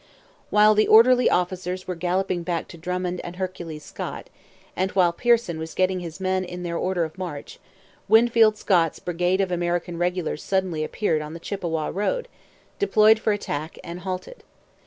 While the orderly officers were galloping back to Drummond and Hercules Scott, and while Pearson was getting his men into their order of march, Winfield Scott's brigade of American regulars suddenly appeared on the Chippawa road, deployed for attack, and halted.